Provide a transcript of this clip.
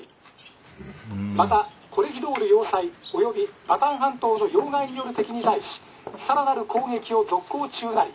またコレヒドール要塞およびバターン半島の要害に拠る敵に対し更なる攻撃を続行中なり」。